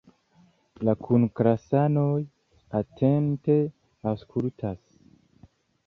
La kunklasanoj atente aŭskultas.